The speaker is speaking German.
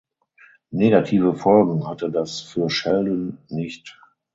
Negative Folgen hatte das für Sheldon nicht.